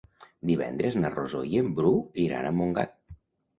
Divendres na Rosó i en Bru iran a Montgat.